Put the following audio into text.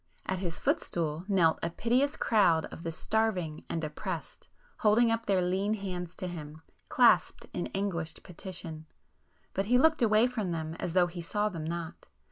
At his footstool knelt a piteous crowd of the starving and oppressed, holding up their lean hands to him, clasped in anguished petition, but he looked away from them as though he saw them not.